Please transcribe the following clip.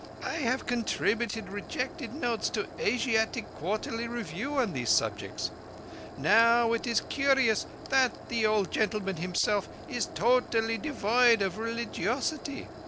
I have contributed rejected notes To Whom It May Concern: Asiatic Quarterly Review on these subjects. Now it is curious that the old gentleman himself is totally devoid of releegiosity.